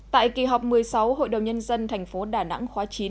tại kỳ họp một mươi sáu hội đồng nhân dân thành phố đà nẵng khóa chín